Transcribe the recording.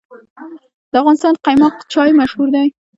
د افغانستان قیماق چای مشهور دی